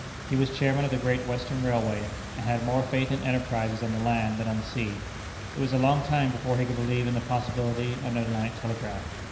He was Chairman of the Great Western Railway, and had more faith in enterprises on the land than on the sea. It was a long time before he could believe in the possibility of an Atlantic Telegraph.